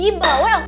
ii bawa yang